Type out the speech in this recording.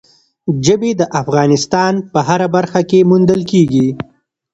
ژبې د افغانستان په هره برخه کې موندل کېږي.